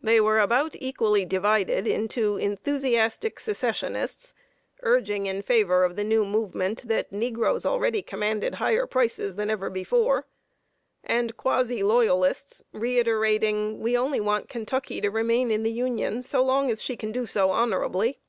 They were about equally divided into enthusiastic Secessionists, urging in favor of the new movement that negroes already commanded higher prices than ever before; and quasi Loyalists, reiterating, "We only want Kentucky to remain in the Union as long as she can do so honorably."